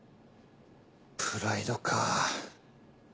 プライドか。